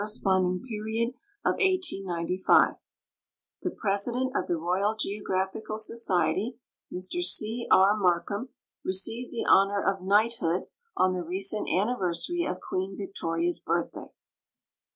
sponding period of 1895. The president of tlie Royal Geographical Society, Mr C. R. Alark ham, receivetl the honor of knighthood on the recent anniver.sary of Queen Victoria's birthday.